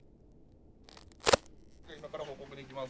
今から報告に行きます。